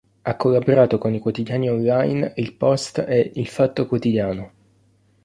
Ha collaborato con i quotidiani online il Post e Il Fatto Quotidiano.